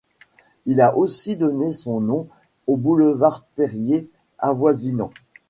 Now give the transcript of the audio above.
Il a aussi donné son nom au boulevard Périer avoisinant.